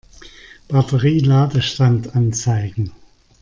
Batterie-Ladestand anzeigen.